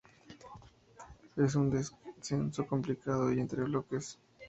Es un descenso complicado y entre bloques.